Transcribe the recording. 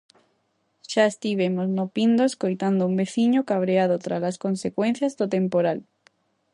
Xa estivemos no Pindo escoitando un veciño cabreado tralas consecuencias do temporal.